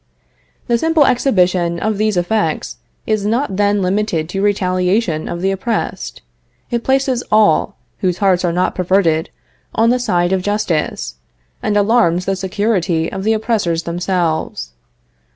The simple exhibition of these effects is not then limited to retaliation of the oppressed; it places all, whose hearts are not perverted, on the side of justice, and alarms the security of the oppressors themselves.